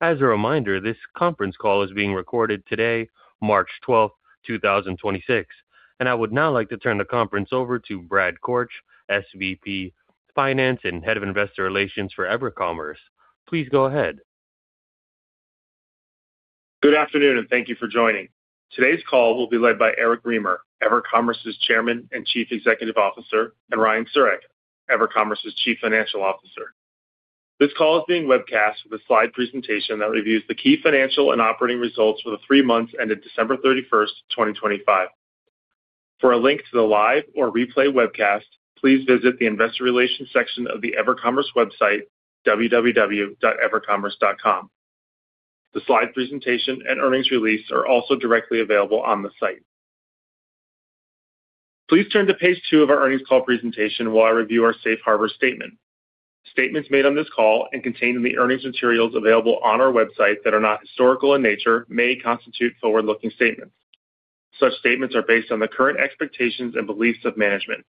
As a reminder, this conference call is being recorded today, March 12th, 2026. I would now like to turn the conference over to Brad Korch, SVP Finance and Head of Investor Relations for EverCommerce. Please go ahead. Good afternoon, and thank you for joining. Today's call will be led by Eric Remer, EverCommerce's Chairman and Chief Executive Officer, and Ryan Siurek, EverCommerce's Chief Financial Officer. This call is being webcast with a slide presentation that reviews the key financial and operating results for the three months ended December 31, 2025. For a link to the live or replay webcast, please visit the Investor Relations section of the EverCommerce website, www.evercommerce.com. The slide presentation and earnings release are also directly available on the site. Please turn to page two of our earnings call presentation while I review our Safe Harbor statement. Statements made on this call and contained in the earnings materials available on our website that are not historical in nature may constitute forward-looking statements. Such statements are based on the current expectations and beliefs of management.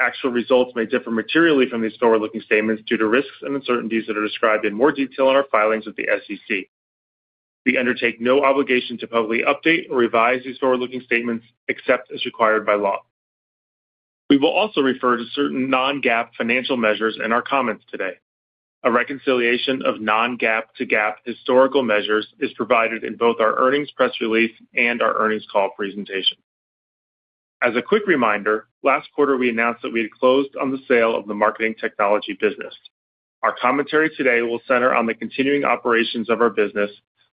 Actual results may differ materially from these forward-looking statements due to risks and uncertainties that are described in more detail in our filings with the SEC. We undertake no obligation to publicly update or revise these forward-looking statements except as required by law. We will also refer to certain non-GAAP financial measures in our comments today. A reconciliation of non-GAAP to GAAP historical measures is provided in both our earnings press release and our earnings call presentation. As a quick reminder, last quarter we announced that we had closed on the sale of the marketing technology business. Our commentary today will center on the continuing operations of our business,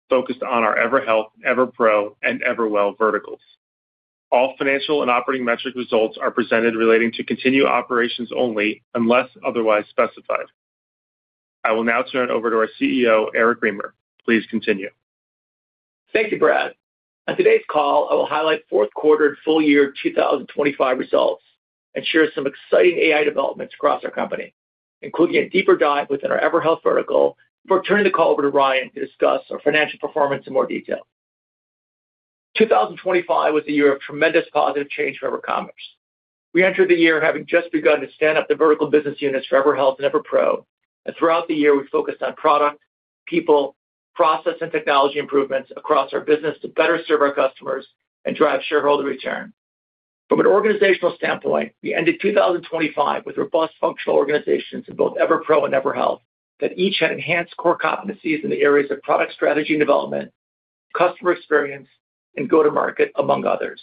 focused on our EverHealth, EverPro, and EverWell verticals. All financial and operating metric results are presented relating to continued operations only unless otherwise specified. I will now turn it over to our CEO, Eric Remer. Please continue. Thank you, Brad Korch. On today's call, I will highlight fourth quarter and full year 2025 results and share some exciting AI developments across our company, including a deeper dive within our EverHealth vertical. Before turning the call over to Ryan Siurek to discuss our financial performance in more detail, 2025 was the year of tremendous positive change for EverCommerce. We entered the year having just begun to stand up the vertical business units for EverHealth and EverPro, and throughout the year, we focused on product, people, process, and technology improvements across our business to better serve our customers and drive shareholder return. From an organizational standpoint, we ended 2025 with robust functional organizations in both EverPro and EverHealth that each had enhanced core competencies in the areas of product strategy and development, customer experience, and go-to-market, among others.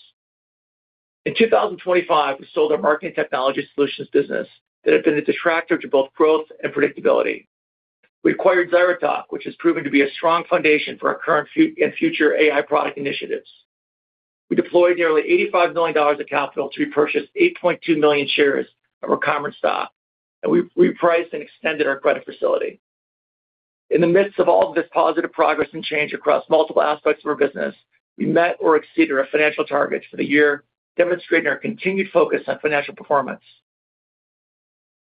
In 2025, we sold our Marketing Technology Solutions business that had been a detractor to both growth and predictability. We acquired ZyraTalk, which has proven to be a strong foundation for our current and future AI product initiatives. We deployed nearly $85 million of capital to repurchase 8.2 million shares of our common stock, and we repriced and extended our credit facility. In the midst of all this positive progress and change across multiple aspects of our business, we met or exceeded our financial targets for the year, demonstrating our continued focus on financial performance.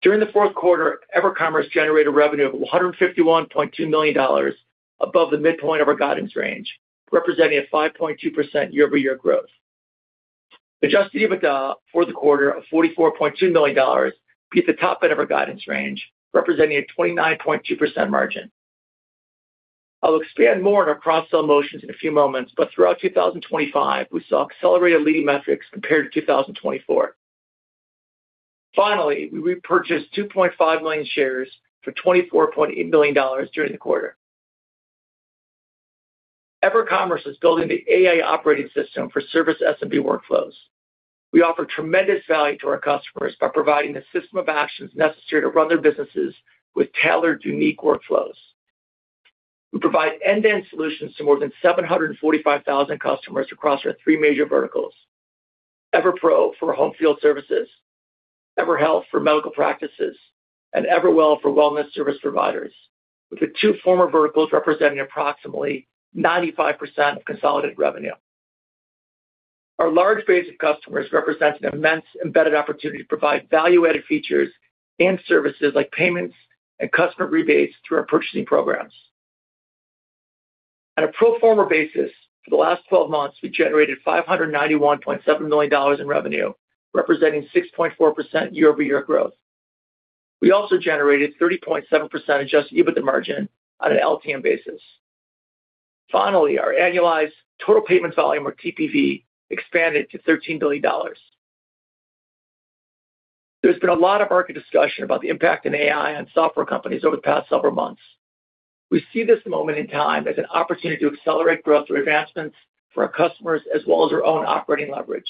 During the fourth quarter, EverCommerce generated revenue of $151.2 million above the midpoint of our guidance range, representing a 5.2% year-over-year growth. Adjusted EBITDA for the quarter of $44.2 million beat the top end of our guidance range, representing a 29.2% margin. I'll expand more on our cross-sell motions in a few moments, but throughout 2025, we saw accelerated leading metrics compared to 2024. Finally, we repurchased 2.5 million shares for $24.8 million during the quarter. EverCommerce is building the AI operating system for service SMB workflows. We offer tremendous value to our customers by providing the system of actions necessary to run their businesses with tailored, unique workflows. We provide end-to-end solutions to more than 745,000 customers across our three major verticals. EverPro for home and field services, EverHealth for medical practices, and EverWell for wellness service providers, with the two former verticals representing approximately 95% of consolidated revenue. Our large base of customers represents an immense embedded opportunity to provide value-added features and services like payments and customer rebates through our purchasing programs. On a pro forma basis, for the last 12 months, we generated $591.7 million in revenue, representing 6.4% year-over-year growth. We also generated 30.7% Adjusted EBITDA margin on an LTM basis. Finally, our annualized total payments volume or TPV expanded to $13 billion. There's been a lot of market discussion about the impact of AI on software companies over the past several months. We see this moment in time as an opportunity to accelerate growth through advancements for our customers as well as our own operating leverage.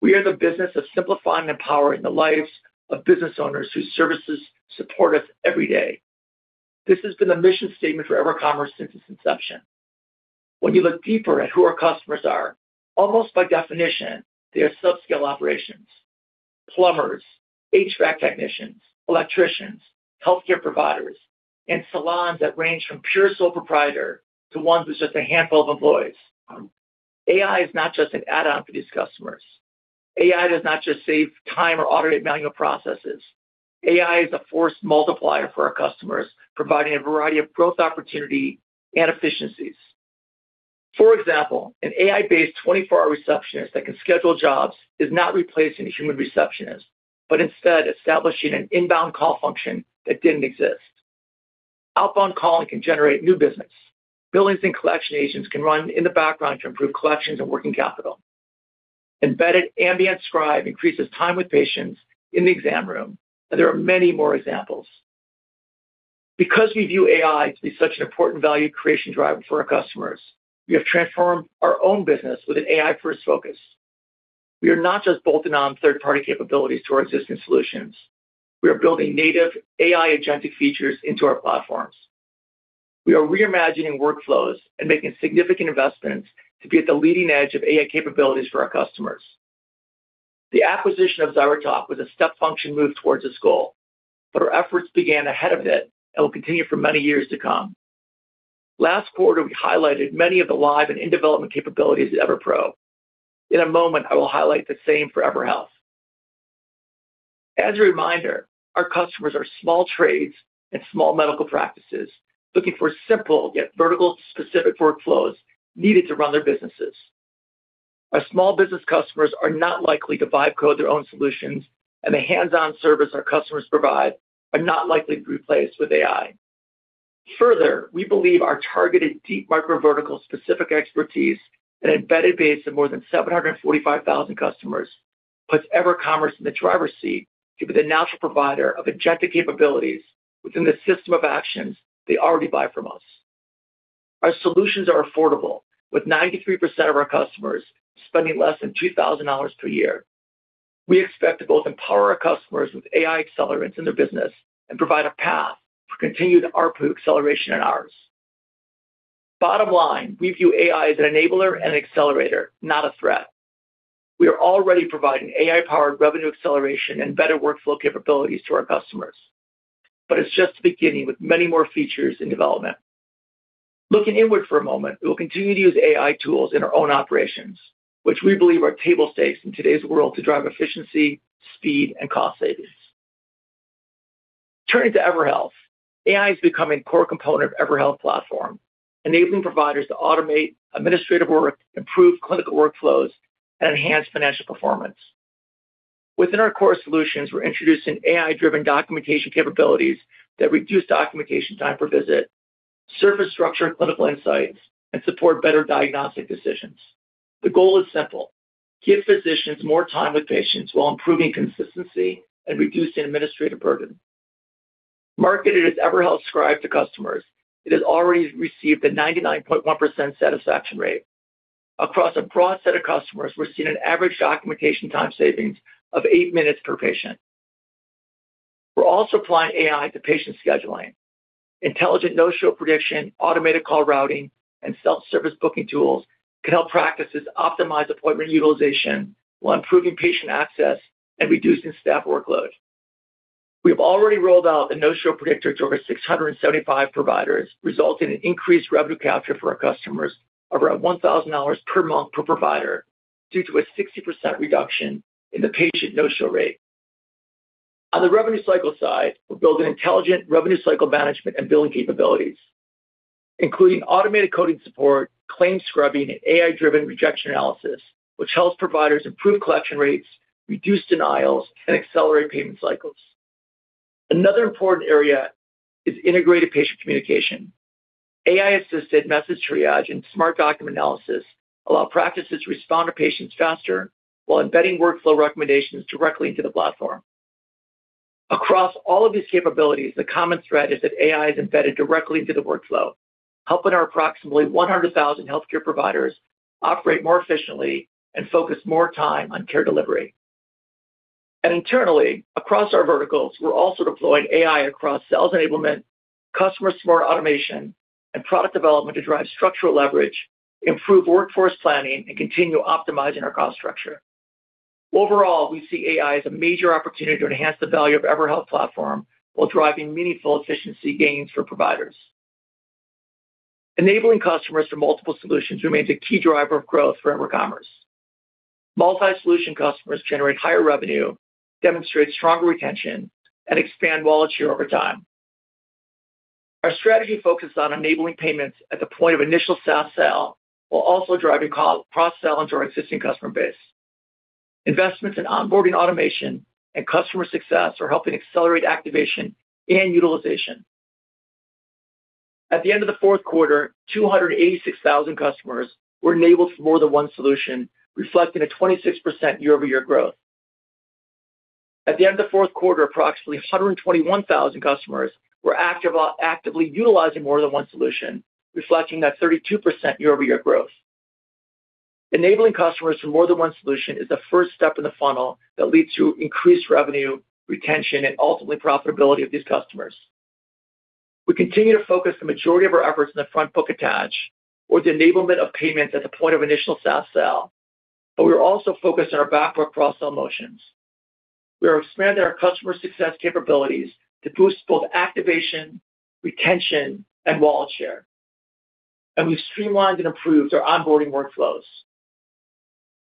We are in the business of simplifying and empowering the lives of business owners whose services support us every day. This has been the mission statement for EverCommerce since its inception. When you look deeper at who our customers are, almost by definition, they are subscale operations. Plumbers, HVAC technicians, electricians, healthcare providers, and salons that range from pure sole proprietor to ones with just a handful of employees. AI is not just an add-on for these customers. AI does not just save time or automate manual processes. AI is a force multiplier for our customers, providing a variety of growth opportunity and efficiencies. For example, an AI-based 24-hour receptionist that can schedule jobs is not replacing a human receptionist, but instead establishing an inbound call function that didn't exist. Outbound calling can generate new business. Billings and collection agents can run in the background to improve collections and working capital. Embedded ambient scribe increases time with patients in the exam room, and there are many more examples. Because we view AI to be such an important value creation driver for our customers, we have transformed our own business with an AI-first focus. We are not just bolting on third-party capabilities to our existing solutions. We are building native AI agentic features into our platforms. We are reimagining workflows and making significant investments to be at the leading edge of AI capabilities for our customers. The acquisition of ZyraTalk was a step function move towards this goal, but our efforts began ahead of it and will continue for many years to come. Last quarter, we highlighted many of the live and in-development capabilities at EverPro. In a moment, I will highlight the same for EverHealth. As a reminder, our customers are small trades and small medical practices looking for simple yet vertical-specific workflows needed to run their businesses. Our small business customers are not likely to buy through their own solutions, and the hands-on service our customers provide are not likely to be replaced with AI. Further, we believe our targeted deep micro vertical specific expertise and an embedded base of more than 745,000 customers puts EverCommerce in the driver's seat to be the natural provider of agentic capabilities within the system of actions they already buy from us. Our solutions are affordable, with 93% of our customers spending less than $2,000 per year. We expect to both empower our customers with AI accelerants in their business and provide a path for continued ARPU acceleration in ours. Bottom line, we view AI as an enabler and accelerator, not a threat. We are already providing AI-powered revenue acceleration and better workflow capabilities to our customers. It's just the beginning with many more features in development. Looking inward for a moment, we will continue to use AI tools in our own operations, which we believe are table stakes in today's world to drive efficiency, speed, and cost savings. Turning to EverHealth, AI is becoming a core component of EverHealth platform, enabling providers to automate administrative work, improve clinical workflows, and enhance financial performance. Within our core solutions, we're introducing AI-driven documentation capabilities that reduce documentation time per visit, surface structured clinical insights, and support better diagnostic decisions. The goal is simple. Give physicians more time with patients while improving consistency and reducing administrative burden. Marketed as EverHealth Scribe to customers, it has already received a 99.1% satisfaction rate. Across a broad set of customers, we're seeing an average documentation time savings of eight minutes per patient. We're also applying AI to patient scheduling. Intelligent no-show prediction, automated call routing, and self-service booking tools can help practices optimize appointment utilization while improving patient access and reducing staff workload. We have already rolled out a no-show predictor to over 675 providers, resulting in increased revenue capture for our customers around $1,000 per month per provider due to a 60% reduction in the patient no-show rate. On the revenue cycle side, we're building intelligent revenue cycle management and billing capabilities, including automated coding support, claim scrubbing, and AI-driven rejection analysis, which helps providers improve collection rates, reduce denials, and accelerate payment cycles. Another important area is integrated patient communication. AI-assisted message triage and smart document analysis allow practices to respond to patients faster while embedding workflow recommendations directly into the platform. Across all of these capabilities, the common thread is that AI is embedded directly into the workflow, helping our approximately 100,000 healthcare providers operate more efficiently and focus more time on care delivery. Internally, across our verticals, we're also deploying AI across sales enablement, customer support automation, and product development to drive structural leverage, improve workforce planning, and continue optimizing our cost structure. Overall, we see AI as a major opportunity to enhance the value of EverHealth platform while driving meaningful efficiency gains for providers. Enabling customers for multiple solutions remains a key driver of growth for EverCommerce. Multi-solution customers generate higher revenue, demonstrate stronger retention, and expand wallet share over time. Our strategy focuses on enabling payments at the point of initial SaaS sale while also driving cross-sell into our existing customer base. Investments in onboarding automation and customer success are helping accelerate activation and utilization. At the end of the fourth quarter, 286,000 customers were enabled for more than one solution, reflecting a 26% year-over-year growth. At the end of the fourth quarter, approximately 121,000 customers were active, actively utilizing more than one solution, reflecting that 32% year-over-year growth. Enabling customers for more than one solution is the first step in the funnel that leads to increased revenue, retention, and ultimately profitability of these customers. We continue to focus the majority of our efforts in the front book attach or the enablement of payments at the point of initial SaaS sale, but we are also focused on our back book cross-sell motions. We are expanding our customer success capabilities to boost both activation, retention, and wallet share. We've streamlined and improved our onboarding workflows.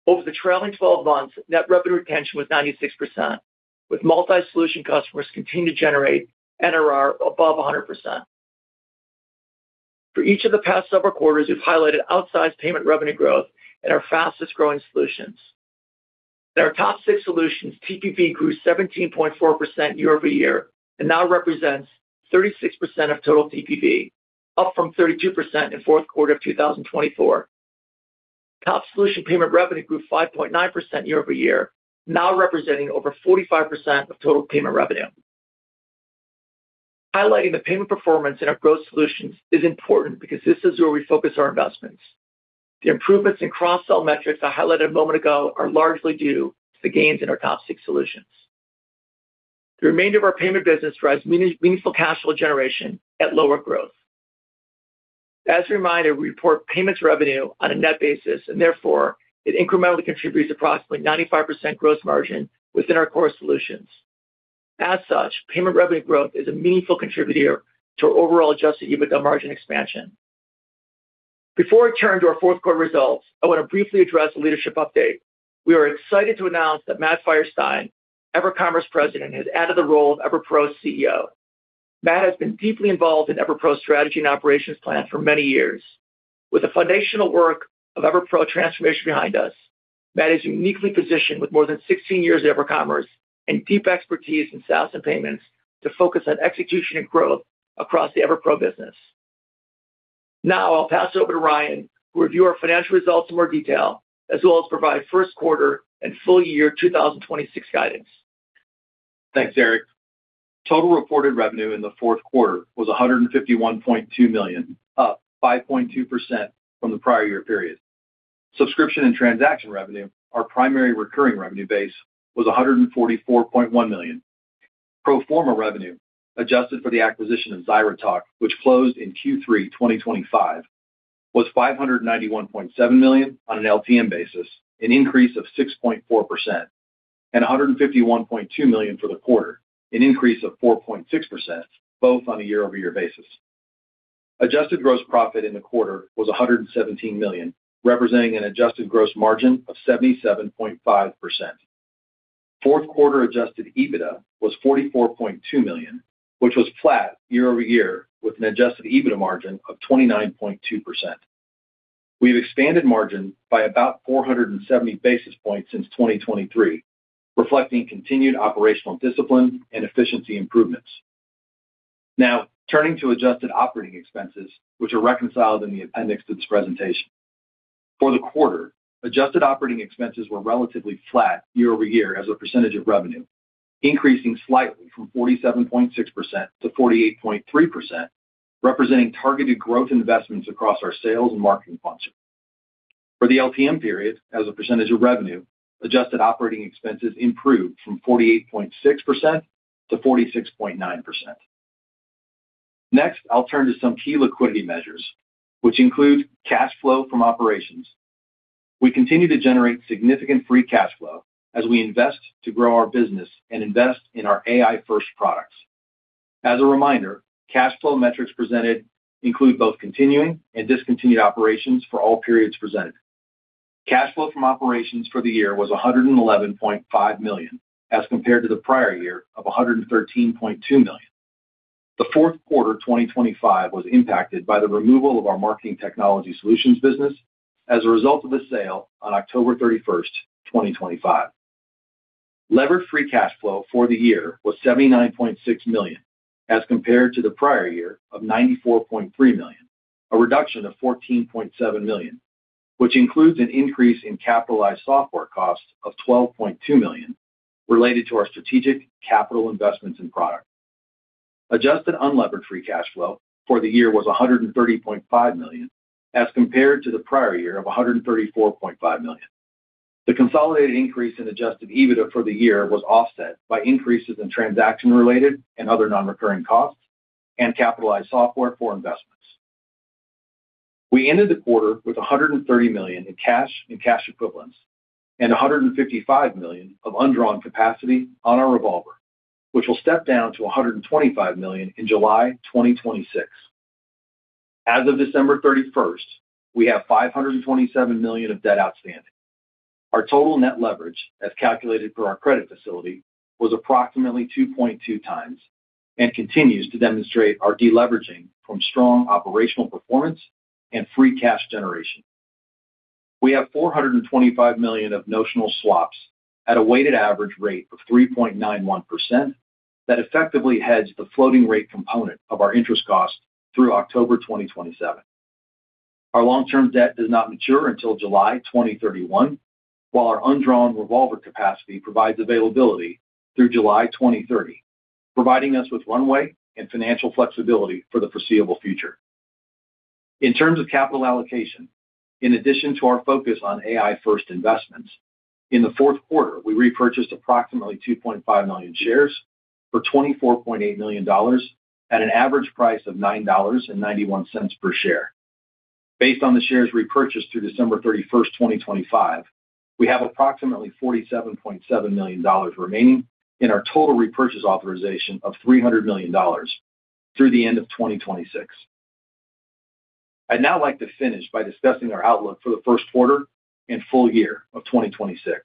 Over the trailing 12 months, net revenue retention was 96%, with multi-solution customers continuing to generate NRR above 100%. For each of the past several quarters, we've highlighted outsized payment revenue growth in our fastest-growing solutions. In our top six solutions, TPV grew 17.4% year-over-year and now represents 36% of total TPV, up from 32% in fourth quarter of 2024. Top solution payment revenue grew 5.9% year-over-year, now representing over 45% of total payment revenue. Highlighting the payment performance in our growth solutions is important because this is where we focus our investments. The improvements in cross-sell metrics I highlighted a moment ago are largely due to the gains in our top six solutions. The remainder of our payment business drives meaningful cash flow generation at lower growth. As a reminder, we report payments revenue on a net basis, and therefore it incrementally contributes approximately 95% gross margin within our core solutions. As such, payment revenue growth is a meaningful contributor to overall Adjusted EBITDA margin expansion. Before I turn to our fourth quarter results, I want to briefly address a leadership update. We are excited to announce that Matt Feierstein, EverCommerce President, has added the role of EverPro CEO. Matt has been deeply involved in EverPro strategy and operations plan for many years. With the foundational work of EverPro transformation behind us, Matt is uniquely positioned with more than 16 years at EverCommerce and deep expertise in SaaS and payments to focus on execution and growth across the EverPro business. Now I'll pass it over to Ryan to review our financial results in more detail, as well as provide first quarter and full year 2026 guidance. Thanks, Eric. Total reported revenue in the fourth quarter was $151.2 million, up 5.2% from the prior year period. Subscription and transaction revenue, our primary recurring revenue base, was $144.1 million. Pro forma revenue, adjusted for the acquisition of ZyraTalk, which closed in Q3 2025, was $591.7 million on an LTM basis, an increase of 6.4%, and $151.2 million for the quarter, an increase of 4.6%, both on a year-over-year basis. Adjusted gross profit in the quarter was $117 million, representing an adjusted gross margin of 77.5%. Fourth quarter adjusted EBITDA was $44.2 million, which was flat year-over-year with an adjusted EBITDA margin of 29.2%. We've expanded margin by about 470 basis points since 2023, reflecting continued operational discipline and efficiency improvements. Now, turning to adjusted operating expenses, which are reconciled in the appendix to this presentation. For the quarter, adjusted operating expenses were relatively flat year-over-year as a percentage of revenue, increasing slightly from 47.6% to 48.3%, representing targeted growth investments across our sales and marketing functions. For the LTM period, as a percentage of revenue, adjusted operating expenses improved from 48.6% to 46.9%. Next, I'll turn to some key liquidity measures, which include cash flow from operations. We continue to generate significant free cash flow as we invest to grow our business and invest in our AI-first products. As a reminder, cash flow metrics presented include both continuing and discontinued operations for all periods presented. Cash flow from operations for the year was $111.5 million as compared to the prior year of $113.2 million. The fourth quarter 2025 was impacted by the removal of our marketing technology solutions business as a result of a sale on October 31, 2025. Levered free cash flow for the year was $79.6 million as compared to the prior year of $94.3 million, a reduction of $14.7 million, which includes an increase in capitalized software costs of $12.2 million related to our strategic capital investments in product. Adjusted unlevered free cash flow for the year was $130.5 million as compared to the prior year of $134.5 million. The consolidated increase in Adjusted EBITDA for the year was offset by increases in transaction-related and other non-recurring costs and capitalized software for investments. We ended the quarter with $130 million in cash and cash equivalents and $155 million of undrawn capacity on our revolver, which will step down to $125 million in July 2026. As of December 31st, we have $527 million of debt outstanding. Our total net leverage, as calculated per our credit facility, was approximately 2.2x and continues to demonstrate our deleveraging from strong operational performance and free cash generation. We have $425 million of notional swaps at a weighted average rate of 3.91% that effectively hedges the floating rate component of our interest cost through October 2027. Our long-term debt does not mature until July 2031, while our undrawn revolver capacity provides availability through July 2030, providing us with runway and financial flexibility for the foreseeable future. In terms of capital allocation, in addition to our focus on AI first investments, in the fourth quarter, we repurchased approximately 2.5 million shares for $24.8 million at an average price of $9.91 per share. Based on the shares repurchased through December 31, 2025, we have approximately $47.7 million remaining in our total repurchase authorization of $300 million through the end of 2026. I'd now like to finish by discussing our outlook for the first quarter and full year of 2026.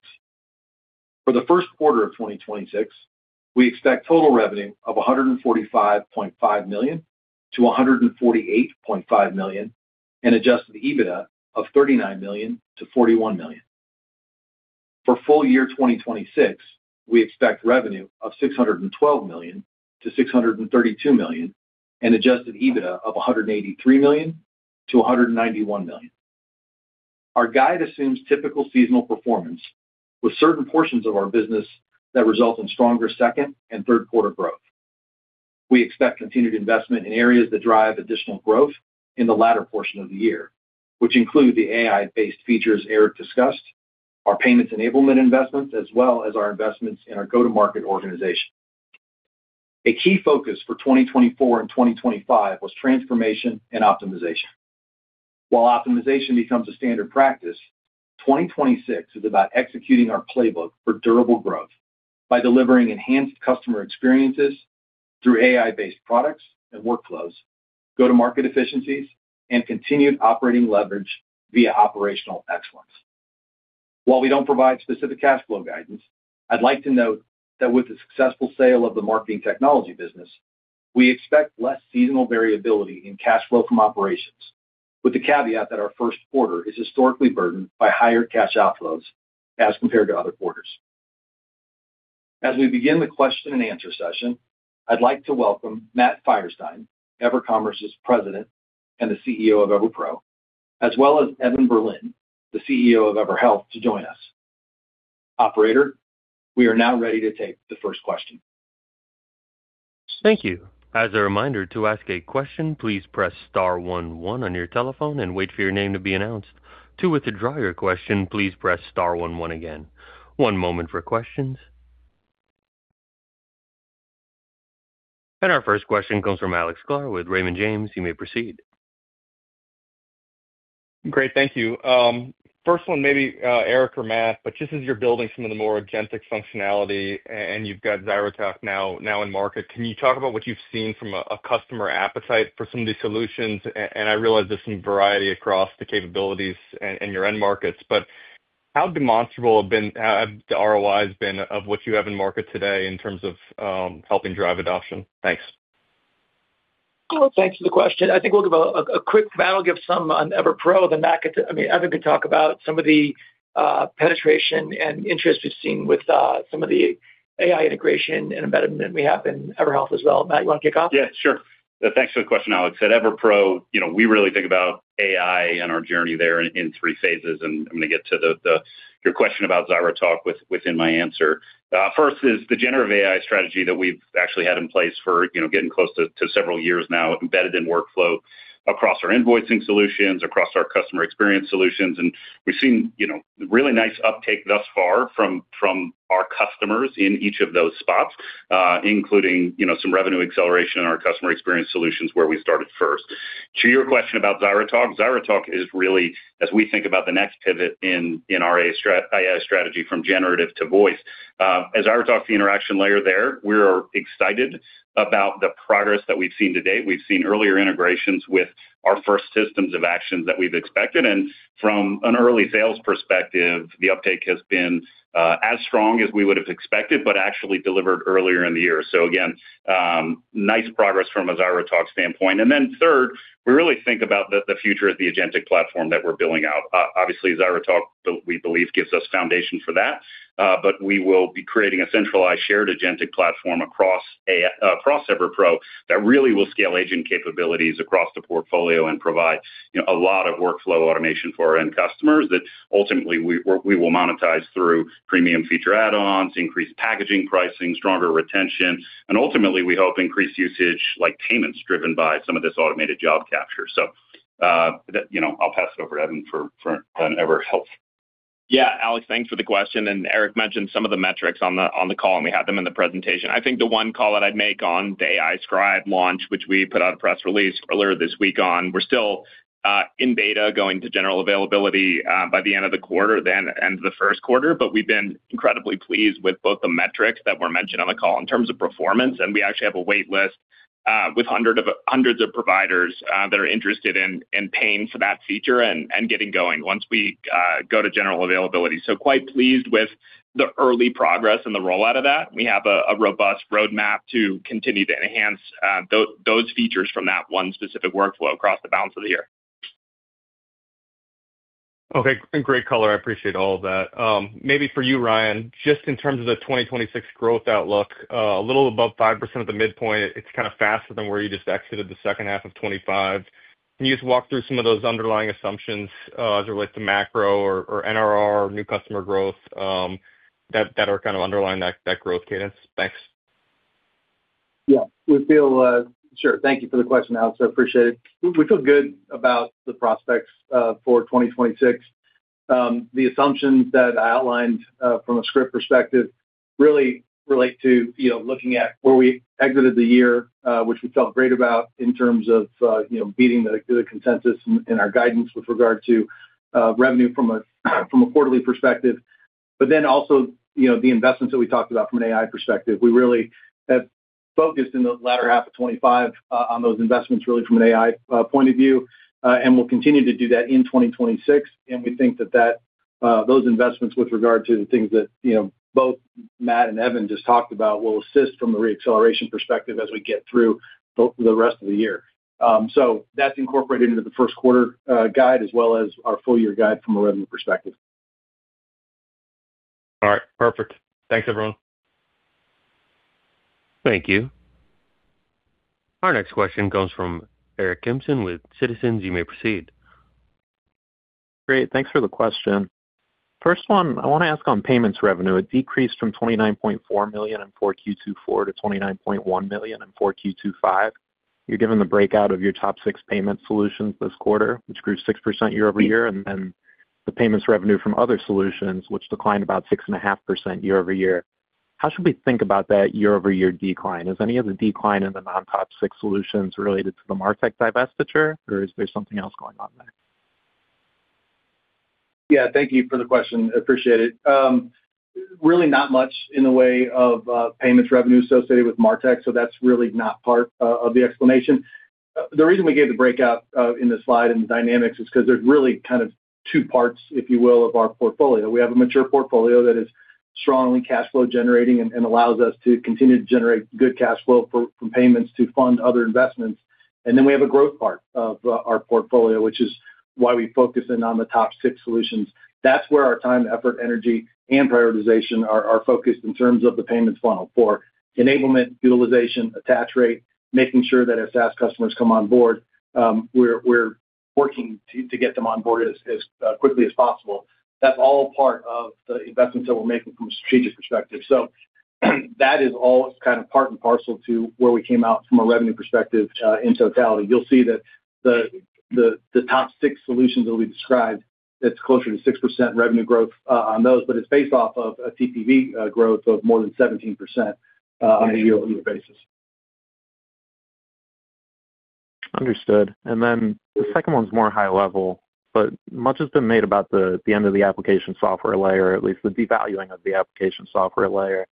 For the first quarter of 2026, we expect total revenue of $145.5 million-$148.5 million and Adjusted EBITDA of $39 million-$41 million. For full year 2026, we expect revenue of $612 million-$632 million and Adjusted EBITDA of $183 million-$191 million. Our guide assumes typical seasonal performance with certain portions of our business that result in stronger second and third quarter growth. We expect continued investment in areas that drive additional growth in the latter portion of the year, which include the AI-based features Eric discussed, our payments enablement investments, as well as our investments in our go-to-market organization. A key focus for 2024 and 2025 was transformation and optimization. While optimization becomes a standard practice, 2026 is about executing our playbook for durable growth by delivering enhanced customer experiences through AI-based products and workflows, go-to-market efficiencies, and continued operating leverage via operational excellence. While we don't provide specific cash flow guidance, I'd like to note that with the successful sale of the marketing technology business, we expect less seasonal variability in cash flow from operations, with the caveat that our first quarter is historically burdened by higher cash outflows as compared to other quarters. As we begin the question and answer session, I'd like to welcome Matt Feierstein, EverCommerce's President and the CEO of EverPro, as well as Evan Berlin, the CEO of EverHealth, to join us. Operator, we are now ready to take the first question. Thank you. As a reminder to ask a question, please press star one one on your telephone and wait for your name to be announced. To withdraw your question, please press star one one again. One moment for questions. Our first question comes from Alex Sklar with Raymond James. You may proceed. Great. Thank you. First one maybe, Eric or Matt, but just as you're building some of the more agentic functionality and you've got ZyraTalk now in market, can you talk about what you've seen from a customer appetite for some of these solutions? And I realize there's some variety across the capabilities and your end markets, but how demonstrable have the ROIs been of what you have in market today in terms of helping drive adoption? Thanks. Well, thanks for the question. I'll give some on EverPro, then Matt gets to, I mean, Evan can talk about some of the penetration and interest we've seen with some of the AI integration and embedded that we have in EverHealth as well. Matt, you wanna kick off? Yeah, sure. Thanks for the question, Alex. At EverPro, you know, we really think about AI and our journey there in three phases, and I'm gonna get to your question about ZyraTalk within my answer. First is the generative AI strategy that we've actually had in place for, you know, getting close to several years now, embedded in workflow across our invoicing solutions, across our customer experience solutions. We've seen, you know, really nice uptake thus far from our customers in each of those spots, including, you know, some revenue acceleration in our customer experience solutions where we started first. To your question about ZyraTalk. ZyraTalk is really as we think about the next pivot in our AI strategy from generative to voice. As ZyraTalk's the interaction layer there, we're excited about the progress that we've seen to date. We've seen earlier integrations with our first systems of actions that we've expected. From an early sales perspective, the uptake has been as strong as we would have expected, but actually delivered earlier in the year. Again, nice progress from a ZyraTalk standpoint. Then third, we really think about the future of the agentic platform that we're building out. Obviously, ZyraTalk, we believe gives us foundation for that, but we will be creating a centralized shared agentic platform across EverPro that really will scale agent capabilities across the portfolio and provide, you know, a lot of workflow automation for our end customers that ultimately we will monetize through premium feature add-ons, increased packaging pricing, stronger retention, and ultimately we hope increased usage like payments driven by some of this automated job capture. That, you know, I'll pass it over to Evan for on EverHealth. Yeah. Alex, thanks for the question. Eric mentioned some of the metrics on the call, and we had them in the presentation. I think the one call that I'd make on the AI Scribe launch, which we put out a press release earlier this week on, we're still in beta going to general availability by the end of the quarter, then end of the first quarter. We've been incredibly pleased with both the metrics that were mentioned on the call in terms of performance, and we actually have a wait list with hundreds of providers that are interested in paying for that feature and getting going once we go to general availability. Quite pleased with the early progress and the rollout of that. We have a robust roadmap to continue to enhance those features from that one specific workflow across the balance of the year. Okay. Great color. I appreciate all of that. Maybe for you, Ryan, just in terms of the 2026 growth outlook, a little above 5% at the midpoint, it's kinda faster than where you just exited the second half of 2025. Can you just walk through some of those underlying assumptions, as it relates to macro or NRR, new customer growth, that are kind of underlying that growth cadence? Thanks. Yeah. Sure. Thank you for the question, Alex. I appreciate it. We feel good about the prospects for 2026. The assumptions that I outlined from a Scribe perspective really relate to, you know, looking at where we exited the year, which we felt great about in terms of, you know, beating the consensus in our guidance with regard to revenue from a quarterly perspective. Then also, you know, the investments that we talked about from an AI perspective, we really have focused in the latter half of 2025 on those investments really from an AI point of view. We'll continue to do that in 2026. We think that those investments with regard to the things that, you know, both Matt and Evan just talked about will assist from a re-acceleration perspective as we get through the rest of the year. That's incorporated into the first quarter guide as well as our full year guide from a revenue perspective. All right. Perfect. Thanks, everyone. Thank you. Our next question comes from Aaron Kimson with Citizens. You may proceed. Great. Thanks for the question. First one I want to ask on payments revenue. It decreased from $29.4 million in 4Q 2024 to $29.1 million in 4Q 2025. You're given the breakout of your top six payment solutions this quarter, which grew 6% year-over-year, and then the payments revenue from other solutions, which declined about 6.5% year-over-year. How should we think about that year-over-year decline? Is any of the decline in the non top six solutions related to the MarTech divestiture or is there something else going on there? Yeah, thank you for the question. Appreciate it. Really not much in the way of payments revenue associated with MarTech, so that's really not part of the explanation. The reason we gave the breakout in the slide and the dynamics is 'cause there's really kind of two parts, if you will, of our portfolio. We have a mature portfolio that is strongly cash flow generating and allows us to continue to generate good cash flow from payments to fund other investments. We have a growth part of our portfolio, which is why we focus in on the top six solutions. That's where our time, effort, energy, and prioritization are focused in terms of the payments funnel for enablement, utilization, attach rate, making sure that as SaaS customers come on board, we're working to get them on board as quickly as possible. That's all part of the investments that we're making from a strategic perspective. That is all kind of part and parcel to where we came out from a revenue perspective in totality. You'll see that the top six solutions that we described, it's closer to 6% revenue growth on those, but it's based off of a TPV growth of more than 17% on a year-over-year basis. Understood. The second one's more high level, but much has been made about the end of the application software layer, at least the devaluing of the application software layer.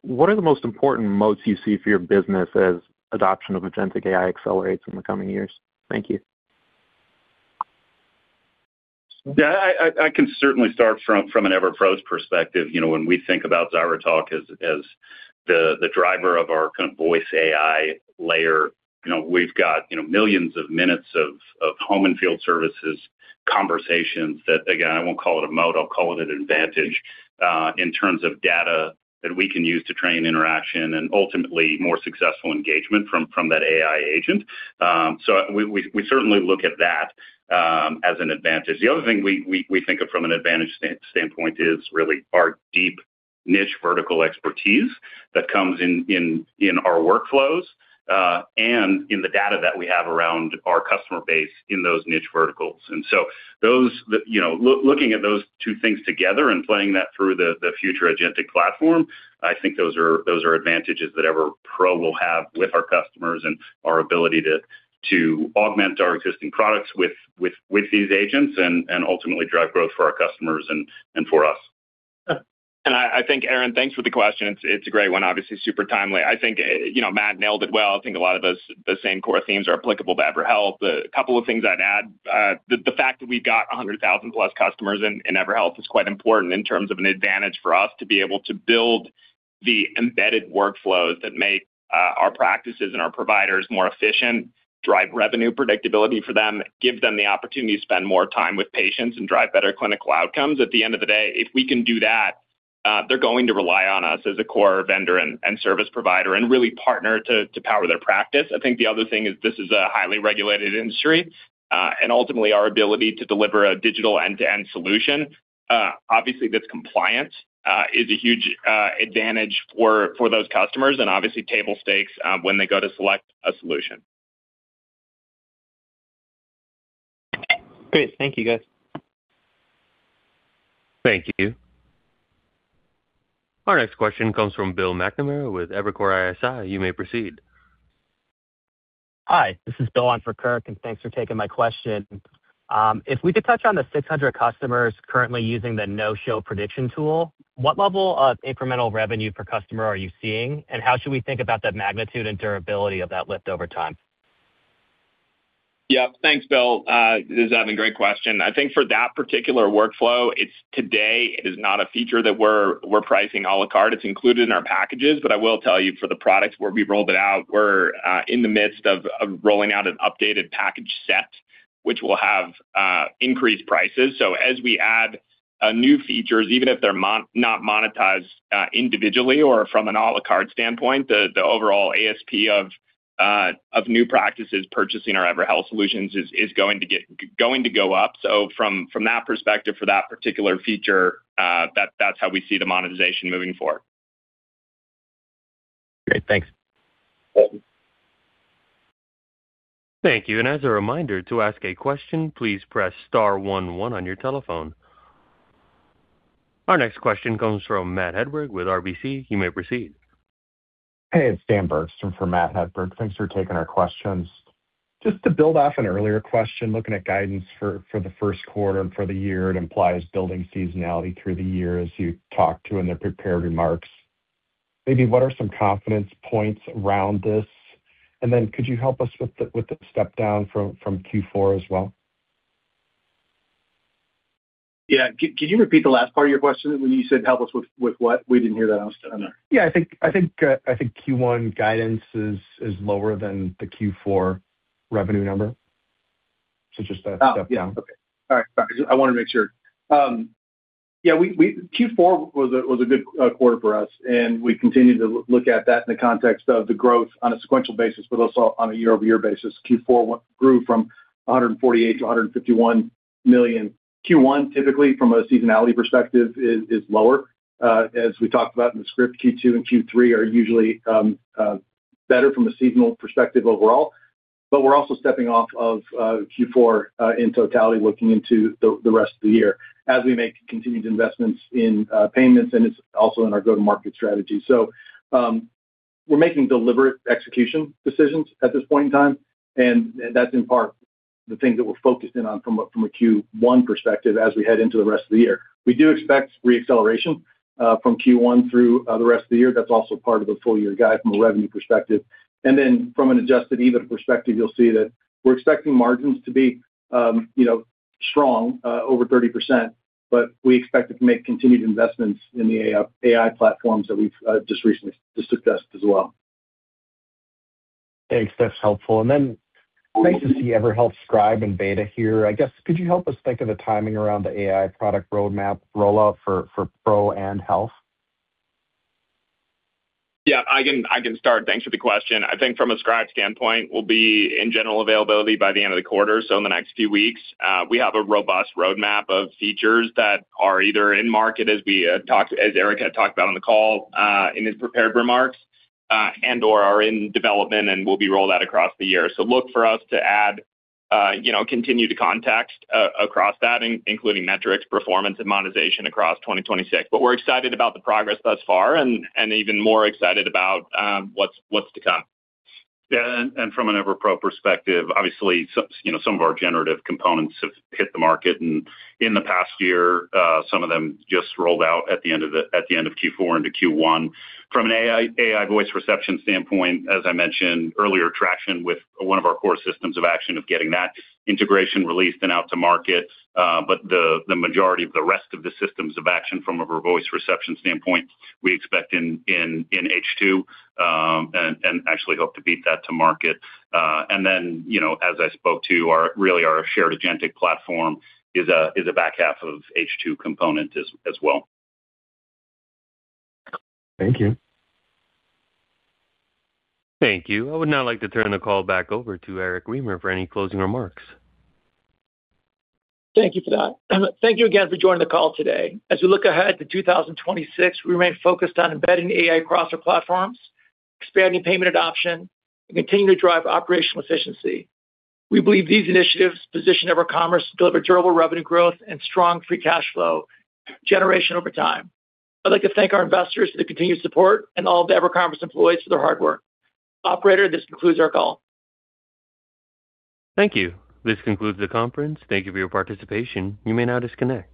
What are the most important moats you see for your business as adoption of agentic AI accelerates in the coming years? Thank you. I can certainly start from an EverPro's perspective. You know, when we think about ZyraTalk as the driver of our kind of voice AI layer, you know, we've got millions of minutes of home and field services conversations that again, I won't call it a moat, I'll call it an advantage in terms of data that we can use to train interaction and ultimately more successful engagement from that AI agent. So we certainly look at that as an advantage. The other thing we think of from an advantage standpoint is really our deep niche vertical expertise that comes in our workflows and in the data that we have around our customer base in those niche verticals. Those You know, looking at those two things together and playing that through the future agentic platform, I think those are advantages that EverPro will have with our customers and our ability to augment our existing products with these agents and ultimately drive growth for our customers and for us. I think, Aaron, thanks for the question. It's a great one, obviously super timely. I think, you know, Matt nailed it well. I think a lot of those, the same core themes are applicable to EverHealth. A couple of things I'd add. The fact that we've got 100,000+ customers in EverHealth is quite important in terms of an advantage for us to be able to build the embedded workflows that make our practices and our providers more efficient, drive revenue predictability for them, give them the opportunity to spend more time with patients, and drive better clinical outcomes. At the end of the day, if we can do that, they're going to rely on us as a core vendor and service provider and really partner to power their practice. I think the other thing is this is a highly regulated industry, and ultimately our ability to deliver a digital end-to-end solution, obviously that's compliant, is a huge advantage for those customers and obviously table stakes when they go to select a solution. Great. Thank you, guys. Thank you. Our next question comes from Bill McNamara with Evercore ISI. You may proceed. Hi, this is Dylan for Kirk, and thanks for taking my question. If we could touch on the 600 customers currently using the no-show prediction tool, what level of incremental revenue per customer are you seeing, and how should we think about the magnitude and durability of that lift over time? Yeah. Thanks, Bill McNamara. This is Evan Berlin. Great question. I think for that particular workflow, it's today it is not a feature that we're pricing a la carte. It's included in our packages. I will tell you for the products where we've rolled it out, we're in the midst of rolling out an updated package set, which will have increased prices. As we add new features, even if they're not monetized individually or from an a la carte standpoint, the overall ASP of new practices purchasing our EverHealth solutions is going to go up. From that perspective for that particular feature, that's how we see the monetization moving forward. Great. Thanks. Welcome. Thank you. As a reminder, to ask a question, please press star one one on your telephone. Our next question comes from Matt Hedberg with RBC. You may proceed. Hey, it's Dan Bergstrom for Matt Hedberg. Thanks for taking our questions. Just to build off an earlier question, looking at guidance for the first quarter and for the year, it implies building seasonality through the year as you talked to in the prepared remarks. Maybe what are some confidence points around this? Could you help us with the step down from Q4 as well? Yeah. Could you repeat the last part of your question when you said help us with what? We didn't hear that last one there. Yeah, I think Q1 guidance is lower than the Q4 revenue number. Just a step down. Yeah. Okay. All right. I just want to make sure. Yeah, Q4 was a good quarter for us, and we continue to look at that in the context of the growth on a sequential basis, but also on a year-over-year basis. Q4 grew from $148 million to $151 million. Q1, typically from a seasonality perspective, is lower. As we talked about in the script, Q2 and Q3 are usually better from a seasonal perspective overall. We're also stepping off of Q4 in totality looking into the rest of the year as we make continued investments in payments, and it's also in our go-to-market strategy. We're making deliberate execution decisions at this point in time, and that's in part the things that we're focusing on from a Q1 perspective as we head into the rest of the year. We do expect re-acceleration from Q1 through the rest of the year. That's also part of the full-year guide from a revenue perspective. From an Adjusted EBITDA perspective, you'll see that we're expecting margins to be, you know, strong, over 30%, but we expect to make continued investments in the AI platforms that we've just recently discussed as well. Thanks. That's helpful. Nice to see EverHealth Scribe in beta here. I guess, could you help us think of the timing around the AI product roadmap rollout for EverPro and EverHealth? Yeah, I can start. Thanks for the question. I think from a Scribe standpoint, we'll be in general availability by the end of the quarter, so in the next few weeks. We have a robust roadmap of features that are either in market as Eric had talked about on the call, in his prepared remarks, and/or are in development and will be rolled out across the year. Look for us to add, continue to context across that, including metrics, performance, and monetization across 2026. But we're excited about the progress thus far and even more excited about what's to come. Yeah. From an EverPro perspective, obviously some, you know, of our generative components have hit the market. In the past year, some of them just rolled out at the end of Q4 into Q1. From an AI voice reception standpoint, as I mentioned earlier, traction with one of our core systems of action of getting that integration released and out to market. The majority of the rest of the systems of action from a voice reception standpoint, we expect in H2, and actually hope to beat that to market. You know, really our shared agentic platform is a back half of H2 component as well. Thank you. Thank you. I would now like to turn the call back over to Eric Remer for any closing remarks. Thank you for that. Thank you again for joining the call today. As we look ahead to 2026, we remain focused on embedding AI across our platforms, expanding payment adoption, and continuing to drive operational efficiency. We believe these initiatives position EverCommerce to deliver durable revenue growth and strong free cash flow generation over time. I'd like to thank our investors for their continued support and all of the EverCommerce employees for their hard work. Operator, this concludes our call. Thank you. This concludes the conference. Thank you for your participation. You may now disconnect.